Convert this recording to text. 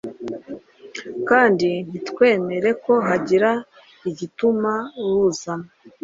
kandi ntitwemere ko hagira igituma buzamo